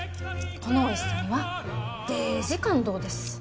このおいしさにはデージ感動です。